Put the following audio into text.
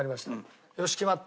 よし決まった。